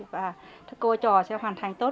và cơ trò sẽ hoàn thành tốt